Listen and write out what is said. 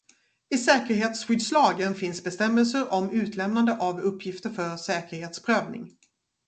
I säkerhetsskyddslagen finns bestämmelser om utlämnande av uppgifter för säkerhetsprövning.